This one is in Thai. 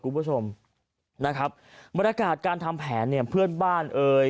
คุณผู้ชมนะครับบรรยากาศการทำแผนเนี่ยเพื่อนบ้านเอ่ย